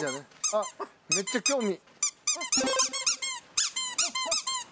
あっめっちゃ興味。